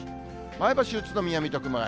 前橋、宇都宮、水戸、熊谷。